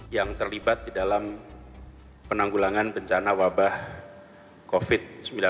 yang terlibat di dalam penanggulangan bencana wabah covid sembilan belas